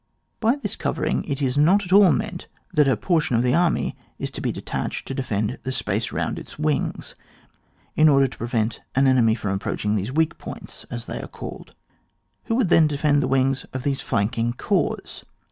By this covering it is not at all meant that a portion of the army is to be de tached to defend the space round its wings, in order to prevent the enemy from approaching these weak points, as they are called : who would then defend the wings of these flanking corps